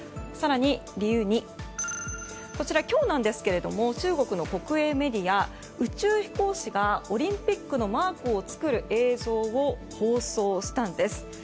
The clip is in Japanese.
更に、理由２こちら今日なんですけども中国の国営メディア宇宙飛行士がオリンピックのマークを作る映像を放送したんです。